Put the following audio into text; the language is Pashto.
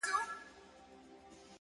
شاعر او شاعره _